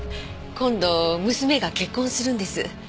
今度娘が結婚するんです。